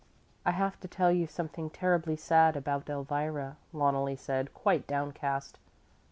"I have to tell you something terribly sad about Elvira," Loneli said, quite downcast.